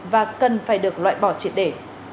và cần phải được loại bỏ triệt để